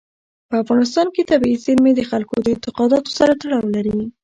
په افغانستان کې طبیعي زیرمې د خلکو د اعتقاداتو سره تړاو لري.